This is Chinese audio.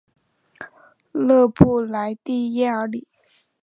勒布莱蒂耶尔里。